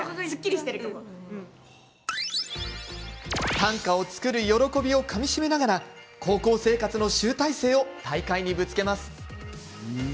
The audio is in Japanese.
短歌を作る喜びをかみしめながら高校生活の集大成を大会にぶつけます。